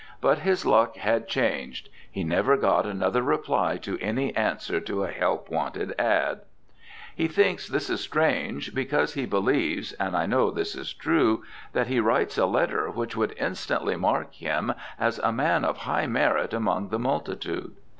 But his luck had changed; he never got another reply to any answer to a help wanted "ad." He thinks this is strange, because he believes (and I know this is true) that he writes a letter which would instantly mark him as a man of high merit among the multitude.